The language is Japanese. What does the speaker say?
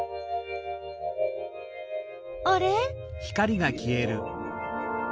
あれ？